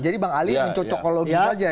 jadi bang ali mencocok logi saja